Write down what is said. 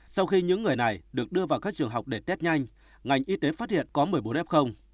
sau khi những người này được đưa vào các trường học để test nhanh ngành y tế phát hiện có một mươi bốn f